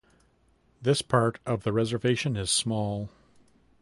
This part of the reservation is small.